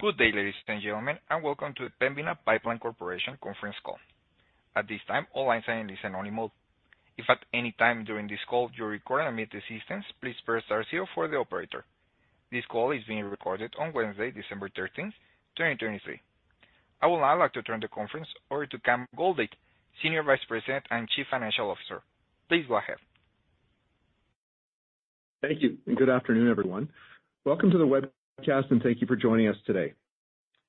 Good day, ladies and gentlemen, and welcome to the Pembina Pipeline Corporation conference call. At this time, all lines are in listen-only mode. If at any time during this call you require immediate assistance, please press star zero for the operator. This call is being recorded on Wednesday, December 13th, 2023. I would now like to turn the conference over to Cam Goldade, Senior Vice President and Chief Financial Officer. Please go ahead. Thank you, and good afternoon, everyone. Welcome to the webcast, and thank you for joining us today.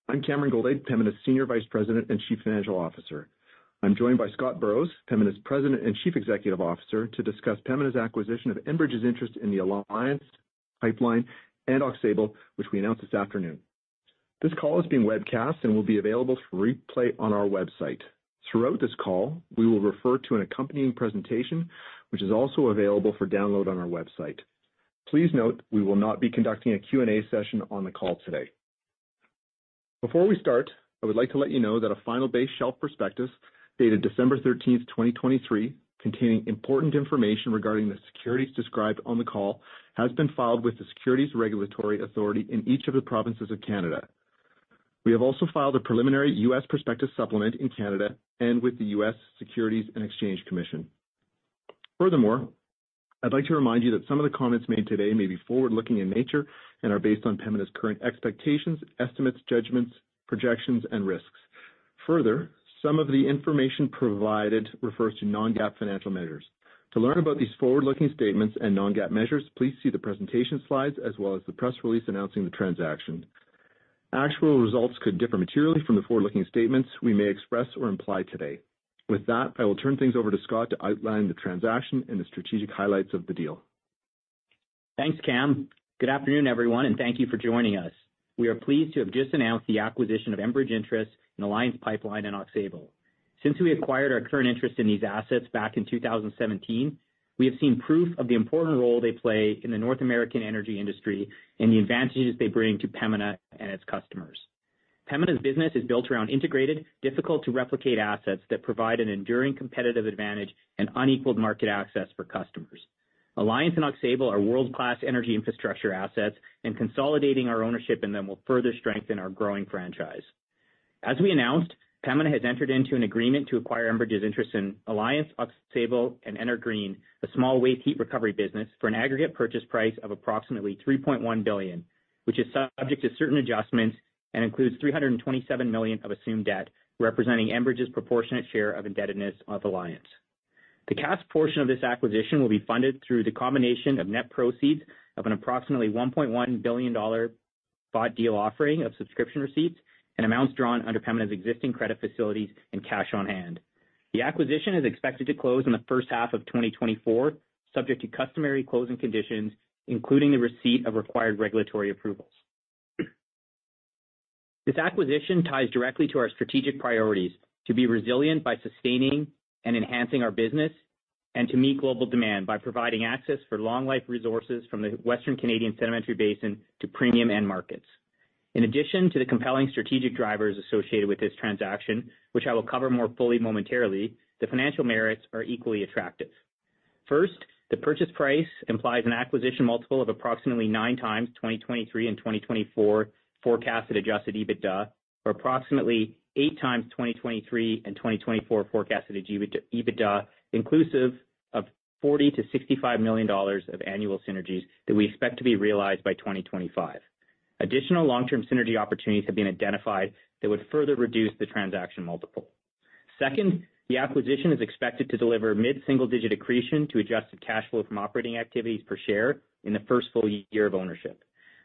I'm Cameron Goldade, Pembina's Senior Vice President and Chief Financial Officer. I'm joined by Scott Burrows, Pembina's President and Chief Executive Officer, to discuss Pembina's acquisition of Enbridge's interest in the Alliance Pipeline and Aux Sable, which we announced this afternoon. This call is being webcast and will be available for replay on our website. Throughout this call, we will refer to an accompanying presentation, which is also available for download on our website. Please note, we will not be conducting a Q&A session on the call today. Before we start, I would like to let you know that a final base shelf prospectus, dated December 13, 2023, containing important information regarding the securities described on the call, has been filed with the Securities Regulatory Authority in each of the provinces of Canada. We have also filed a preliminary U.S. prospectus supplement in Canada and with the U.S. Securities and Exchange Commission. Furthermore, I'd like to remind you that some of the comments made today may be forward-looking in nature and are based on Pembina's current expectations, estimates, judgments, projections, and risks. Further, some of the information provided refers to non-GAAP financial measures. To learn about these forward-looking statements and non-GAAP measures, please see the presentation slides as well as the press release announcing the transaction. Actual results could differ materially from the forward-looking statements we may express or imply today. With that, I will turn things over to Scott to outline the transaction and the strategic highlights of the deal. Thanks, Cam. Good afternoon, everyone, and thank you for joining us. We are pleased to have just announced the acquisition of Enbridge's interest in Alliance Pipeline and Aux Sable. Since we acquired our current interest in these assets back in 2017, we have seen proof of the important role they play in the North American energy industry and the advantages they bring to Pembina and its customers. Pembina's business is built around integrated, difficult-to-replicate assets that provide an enduring competitive advantage and unequaled market access for customers. Alliance and Aux Sable are world-class energy infrastructure assets, and consolidating our ownership in them will further strengthen our growing franchise. As we announced, Pembina has entered into an agreement to acquire Enbridge's interest in Alliance, Aux Sable, and NRGreen, a small waste heat recovery business, for an aggregate purchase price of approximately $3.1 billion, which is subject to certain adjustments and includes $327 million of assumed debt, representing Enbridge's proportionate share of indebtedness of Alliance. The cash portion of this acquisition will be funded through the combination of net proceeds of an approximately $1.1 billion bought deal offering of subscription receipts and amounts drawn under Pembina's existing credit facilities and cash on hand. The acquisition is expected to close in the first half of 2024, subject to customary closing conditions, including the receipt of required regulatory approvals. This acquisition ties directly to our strategic priorities to be resilient by sustaining and enhancing our business and to meet global demand by providing access for long-life resources from the Western Canadian Sedimentary Basin to premium end markets. In addition to the compelling strategic drivers associated with this transaction, which I will cover more fully momentarily, the financial merits are equally attractive. First, the purchase price implies an acquisition multiple of approximately 9x 2023 and 2024 forecasted Adjusted EBITDA, or approximately 8x 2023 and 2024 forecasted EBITDA, inclusive of $40 million-$65 million of annual synergies that we expect to be realized by 2025. Additional long-term synergy opportunities have been identified that would further reduce the transaction multiple. Second, the acquisition is expected to deliver mid-single-digit accretion to adjusted cash flow from operating activities per share in the first full year of ownership.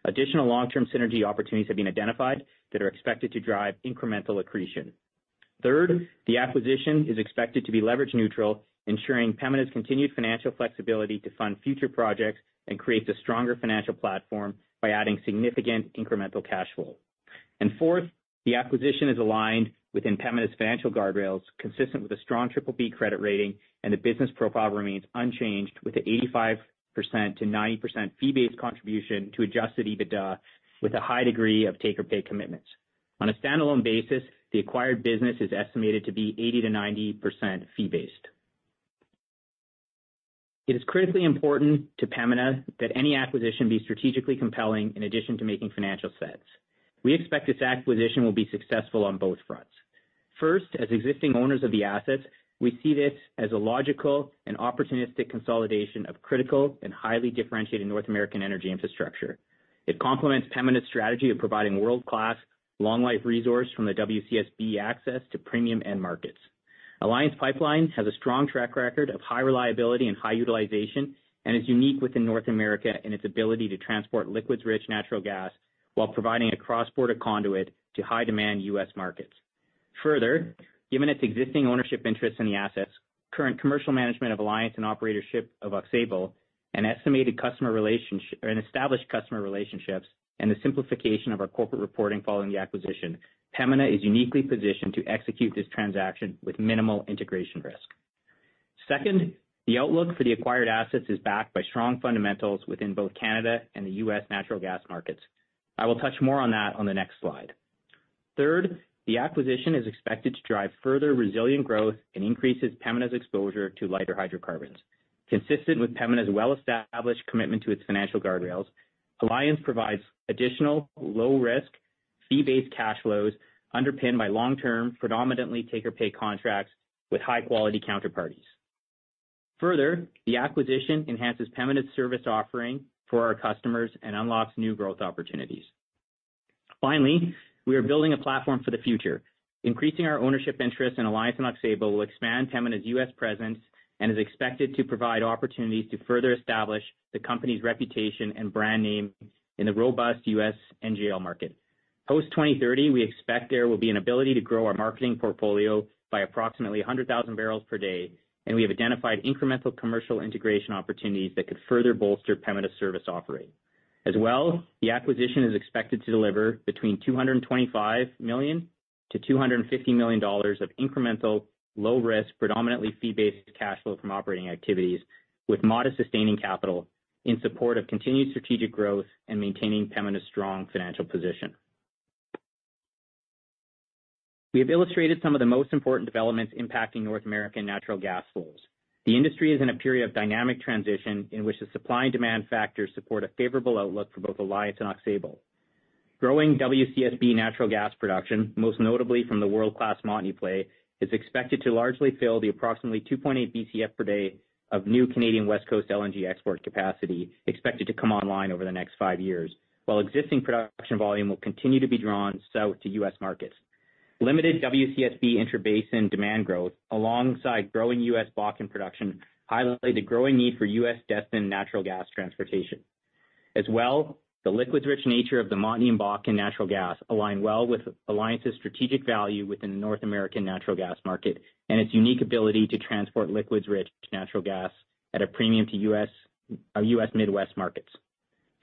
Additional long-term synergy opportunities have been identified that are expected to drive incremental accretion. Third, the acquisition is expected to be leverage-neutral, ensuring Pembina's continued financial flexibility to fund future projects and creates a stronger financial platform by adding significant incremental cash flow. Fourth, the acquisition is aligned within Pembina's financial guardrails, consistent with a strong triple-B credit rating, and the business profile remains unchanged, with 85%-90% fee-based contribution to Adjusted EBITDA, with a high degree of take-or-pay commitments. On a standalone basis, the acquired business is estimated to be 80%-90% fee-based. It is critically important to Pembina that any acquisition be strategically compelling in addition to making financial sense. We expect this acquisition will be successful on both fronts. First, as existing owners of the assets, we see this as a logical and opportunistic consolidation of critical and highly differentiated North American energy infrastructure. It complements Pembina's strategy of providing world-class, long-life resource from the WCSB access to premium end markets. Alliance Pipeline has a strong track record of high reliability and high utilization and is unique within North America in its ability to transport liquids-rich natural gas while providing a cross-border conduit to high-demand U.S. markets. Further, given its existing ownership interest in the assets, current commercial management of Alliance and operatorship of Aux Sable, an estimated customer relationship, or an established customer relationships, and the simplification of our corporate reporting following the acquisition, Pembina is uniquely positioned to execute this transaction with minimal integration risk. Second, the outlook for the acquired assets is backed by strong fundamentals within both Canada and the U.S. natural gas markets. I will touch more on that on the next slide. Third, the acquisition is expected to drive further resilient growth and increases Pembina's exposure to lighter hydrocarbons. Consistent with Pembina's well-established commitment to its financial guardrails, Alliance provides additional low risk, fee-based cash flows underpinned by long-term, predominantly take-or-pay contracts with high-quality counterparties. Further, the acquisition enhances Pembina's service offering for our customers and unlocks new growth opportunities. Finally, we are building a platform for the future. Increasing our ownership interest in Alliance and Aux Sable will expand Pembina's U.S. presence and is expected to provide opportunities to further establish the company's reputation and brand name in the robust U.S. NGL market. Post-2030, we expect there will be an ability to grow our marketing portfolio by approximately 100,000 barrels per day, and we have identified incremental commercial integration opportunities that could further bolster Pembina's service offering. As well, the acquisition is expected to deliver between 225 million-250 million dollars of incremental, low-risk, predominantly fee-based cash flow from operating activities, with modest sustaining capital in support of continued strategic growth and maintaining Pembina's strong financial position. We have illustrated some of the most important developments impacting North American natural gas flows. The industry is in a period of dynamic transition in which the supply and demand factors support a favorable outlook for both Alliance and Aux Sable. Growing WCSB natural gas production, most notably from the world-class Montney play, is expected to largely fill the approximately 2.8 Bcf per day of new Canadian West Coast LNG export capacity expected to come online over the next 5 years, while existing production volume will continue to be drawn south to U.S. markets. Limited WCSB intrabasin demand growth, alongside growing U.S. Bakken production, highlight the growing need for U.S.-destined natural gas transportation. As well, the liquids-rich nature of the Montney and Bakken natural gas align well with Alliance's strategic value within the North American natural gas market and its unique ability to transport liquids-rich natural gas at a premium to U.S. Midwest markets.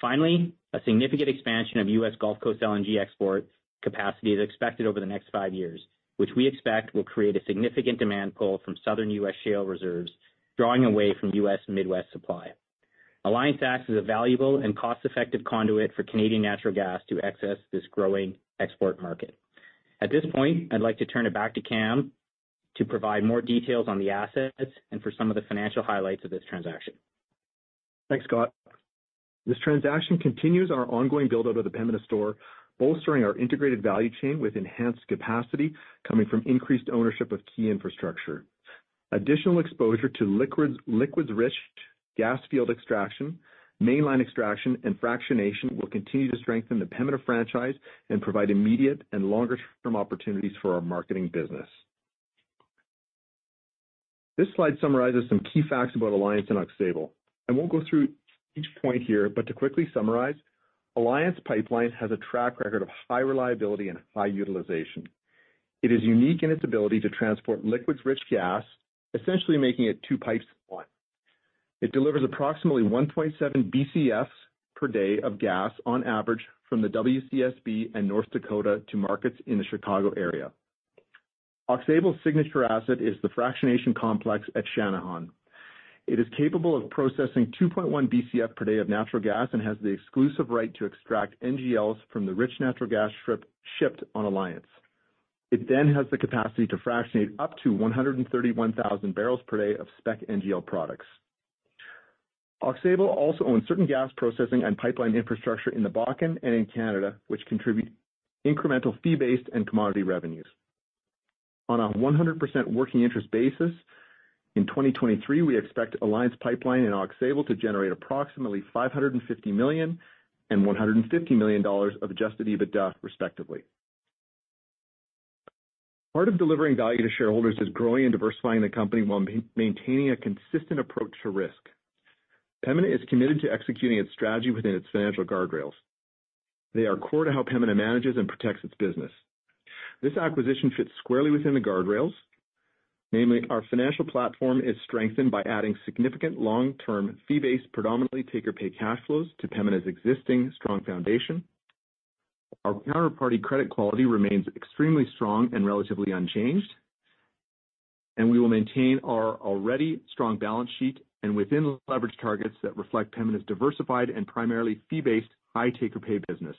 Finally, a significant expansion of U.S. Gulf Coast LNG export capacity is expected over the next five years, which we expect will create a significant demand pull from southern U.S. shale reserves, drawing away from U.S. Midwest supply. Alliance acts as a valuable and cost-effective conduit for Canadian natural gas to access this growing export market. At this point, I'd like to turn it back to Cam to provide more details on the assets and for some of the financial highlights of this transaction. Thanks, Scott. This transaction continues our ongoing build-out of the Pembina story, bolstering our integrated value chain with enhanced capacity coming from increased ownership of key infrastructure. Additional exposure to liquids, liquids-rich gas field extraction, mainline extraction, and fractionation will continue to strengthen the Pembina franchise and provide immediate and longer-term opportunities for our marketing business. This slide summarizes some key facts about Alliance and Aux Sable. I won't go through each point here, but to quickly summarize, Alliance Pipeline has a track record of high reliability and high utilization. It is unique in its ability to transport liquids-rich gas, essentially making it two pipes in one. It delivers approximately 1.7 Bcf per day of gas, on average, from the WCSB and North Dakota to markets in the Chicago area. Aux Sable's signature asset is the fractionation complex at Channahon. It is capable of processing 2.1 Bcf/d of natural gas and has the exclusive right to extract NGLs from the rich natural gas strip shipped on Alliance. It then has the capacity to fractionate up to 131,000 bpd of spec NGL products. Aux Sable also owns certain gas processing and pipeline infrastructure in the Bakken and in Canada, which contribute incremental fee-based and commodity revenues. On a 100% working interest basis, in 2023, we expect Alliance Pipeline and Aux Sable to generate approximately 550 million and 150 million dollars of Adjusted EBITDA, respectively. Part of delivering value to shareholders is growing and diversifying the company while maintaining a consistent approach to risk. Pembina is committed to executing its strategy within its financial guardrails. They are core to how Pembina manages and protects its business. This acquisition fits squarely within the guardrails. Namely, our financial platform is strengthened by adding significant long-term, fee-based, predominantly take-or-pay cash flows to Pembina's existing strong foundation. Our counterparty credit quality remains extremely strong and relatively unchanged, and we will maintain our already strong balance sheet and within leverage targets that reflect Pembina's diversified and primarily fee-based, high take-or-pay business.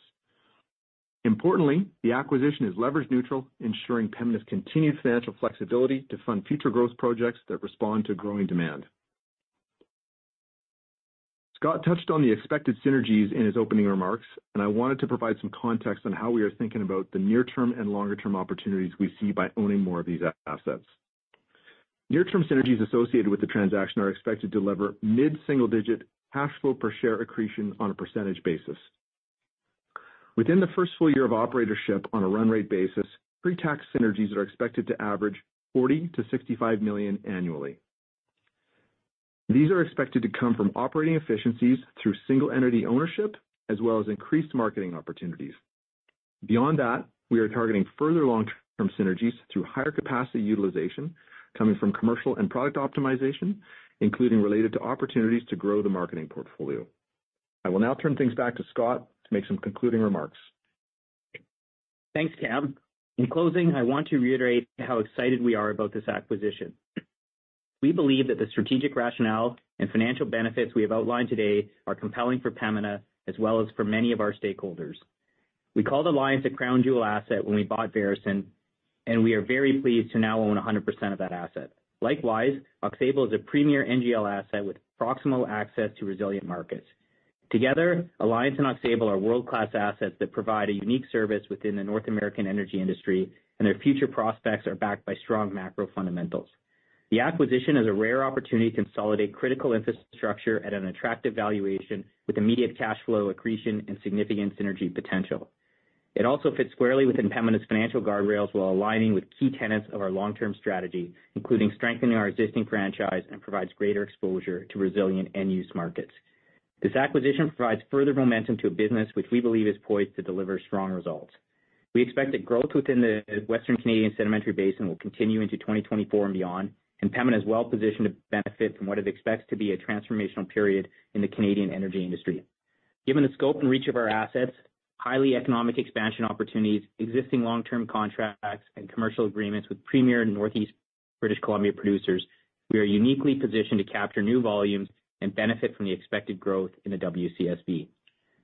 Importantly, the acquisition is leverage neutral, ensuring Pembina's continued financial flexibility to fund future growth projects that respond to growing demand. Scott touched on the expected synergies in his opening remarks, and I wanted to provide some context on how we are thinking about the near-term and longer-term opportunities we see by owning more of these assets. Near-term synergies associated with the transaction are expected to deliver mid-single-digit cash flow per share accretion on a percentage basis. Within the first full year of operatorship on a run rate basis, pre-tax synergies are expected to average 40 million-65 million annually. These are expected to come from operating efficiencies through single-entity ownership, as well as increased marketing opportunities. Beyond that, we are targeting further long-term synergies through higher capacity utilization coming from commercial and product optimization, including related to opportunities to grow the marketing portfolio. I will now turn things back to Scott to make some concluding remarks. Thanks, Cam. In closing, I want to reiterate how excited we are about this acquisition. We believe that the strategic rationale and financial benefits we have outlined today are compelling for Pembina as well as for many of our stakeholders. We called Alliance a crown jewel asset when we bought Veresen, and we are very pleased to now own 100% of that asset. Likewise, Aux Sable is a premier NGL asset with proximal access to resilient markets. Together, Alliance and Aux Sable are world-class assets that provide a unique service within the North American energy industry, and their future prospects are backed by strong macro fundamentals. The acquisition is a rare opportunity to consolidate critical infrastructure at an attractive valuation with immediate cash flow accretion and significant synergy potential. It also fits squarely within Pembina's financial guardrails while aligning with key tenets of our long-term strategy, including strengthening our existing franchise, and provides greater exposure to resilient end-use markets. This acquisition provides further momentum to a business which we believe is poised to deliver strong results. We expect that growth within the Western Canadian Sedimentary Basin will continue into 2024 and beyond, and Pembina is well-positioned to benefit from what it expects to be a transformational period in the Canadian energy industry. Given the scope and reach of our assets, highly economic expansion opportunities, existing long-term contracts and commercial agreements with premier Northeast British Columbia producers, we are uniquely positioned to capture new volumes and benefit from the expected growth in the WCSB.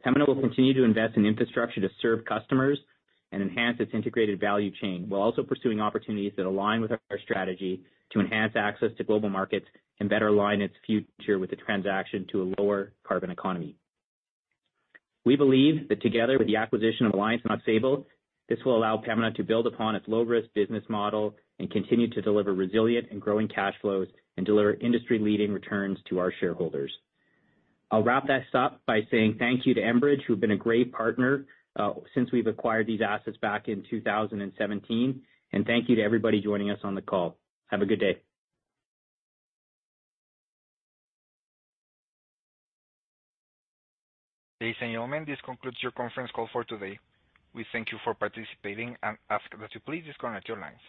Pembina will continue to invest in infrastructure to serve customers and enhance its integrated value chain, while also pursuing opportunities that align with our strategy to enhance access to global markets and better align its future with the transaction to a lower carbon economy. We believe that together with the acquisition of Alliance and Aux Sable, this will allow Pembina to build upon its low-risk business model and continue to deliver resilient and growing cash flows and deliver industry-leading returns to our shareholders. I'll wrap this up by saying thank you to Enbridge, who've been a great partner, since we've acquired these assets back in 2017. Thank you to everybody joining us on the call. Have a good day. Ladies and gentlemen, this concludes your conference call for today. We thank you for participating and ask that you please disconnect your lines.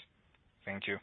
Thank you.